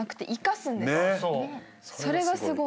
それがすごい。